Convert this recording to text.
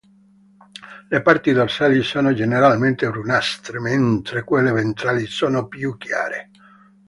Le parti dorsali sono generalmente brunastre, mentre quelle ventrali sono più chiare.